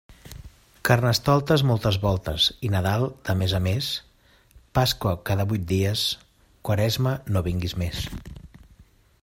Carnestoltes moltes voltes i Nadal de mes a mes, Pasqua cada vuit dies; Quaresma, no vingues més.